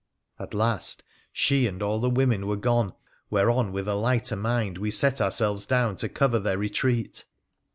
At last she and all the women were gone, whereon with a lighter mind we set ourselves down to cover their retreat.